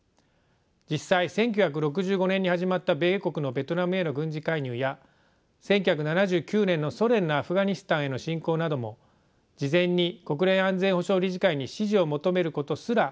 実際１９６５年に始まった米国のベトナムへの軍事介入や１９７９年のソ連のアフガニスタンへの侵攻なども事前に国連安全保障理事会に支持を求めることすらありませんでした。